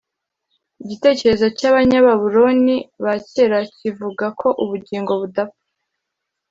igitekerezo cy’abanyababuloni ba kera kivuga ko ubugingo budapfa.